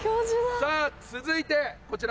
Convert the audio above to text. さぁ続いてこちら。